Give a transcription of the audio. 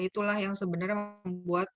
itulah yang sebenarnya membuatnya